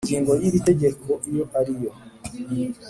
ingingo y iri tegeko iyo ariyo